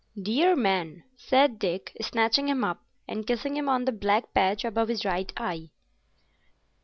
"Dear man!" said Dick, snatching him up, and kissing him on the black patch above his right eye.